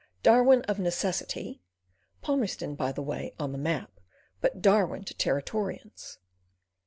Darwin of necessity (Palmerston, by the way, on the map, but Darwin to Territorians).